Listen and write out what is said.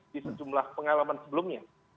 di sejumlah pengalaman sebelumnya